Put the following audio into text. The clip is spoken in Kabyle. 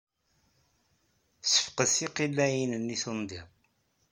Sefqed tiqellaɛin-nni i tundiḍ.